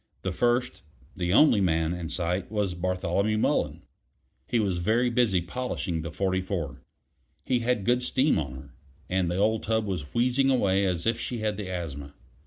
The first the only man in sight was Bartholomew Mullen. He was very busy polishing the 44. He had good steam on her, and the old tub was wheezing away as if she had the asthma.